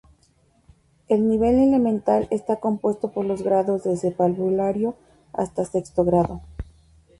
El nivel elemental está compuesto por los grados desde parvulario hasta sexto grado.